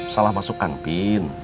salah masukkan pin